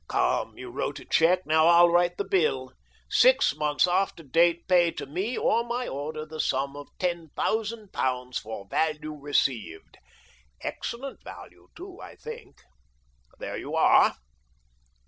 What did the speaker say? Come, you wrote a cheque — now I'll write the bill. ' Six months after date, pay to me or my order the sum of ten thousand pounds for value received '— excellent value too, I think. There you are